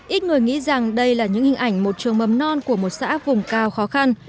ít người nghĩ rằng đây là những hình ảnh một trường mầm non của một xã vùng cao khó khăn